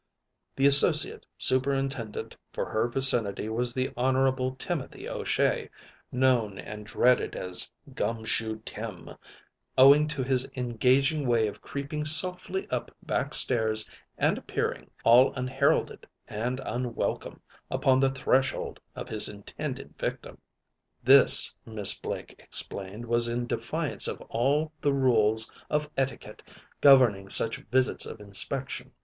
The Associate Superintendent for her vicinity was the Honorable Timothy O'Shea, known and dreaded as "Gum Shoe Tim," owing to his engaging way of creeping softly up back stairs and appearing, all unheralded and unwelcome, upon the threshold of his intended victim. This, Miss Blake explained, was in defiance of all the rules of etiquette governing such visits of inspection.